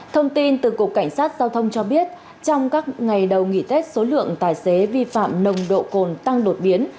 thông tin từ cục cảnh sát giao thông cho biết trong các ngày đầu nghỉ tết số lượng tài xế vi phạm nồng độ cồn tăng đột biến